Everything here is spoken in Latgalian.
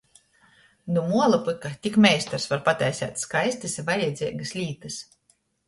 Nu muola pyka tik meistars var pataiseit skaistys i vajadzeigys lītys.